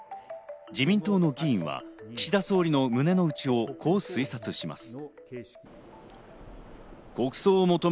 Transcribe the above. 自民党の議員は岸田総理の胸の内をこう推察します。